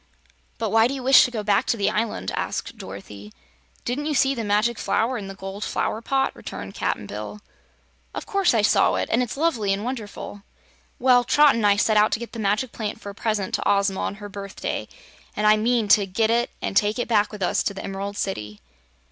"But why do you wish to go back to the island?" asked Dorothy. "Didn't you see the Magic Flower in the gold flower pot?" returned Cap'n Bill. "Of course I saw it, and it's lovely and wonderful." "Well, Trot an' I set out to get the magic plant for a present to Ozma on her birthday, and I mean to get it an' take it back with us to the Emerald City."